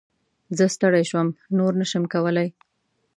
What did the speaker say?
زه ستړی شوم ، نور نه شم کولی !